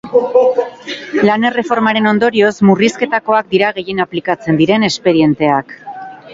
Lan-erreformaren ondorioz, murrizketakoak dira gehien aplikatzen diren espedienteak.